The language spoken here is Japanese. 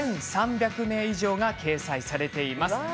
１３００名以上が掲載されています。